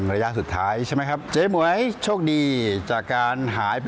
รู้สึกยินดีมากเลยนะครับ